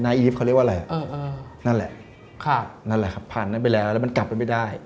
นายอีฟเขาเรียกว่าอะไรนั่นแหละผ่านไปแล้วแล้วมันกลับไปไม่ได้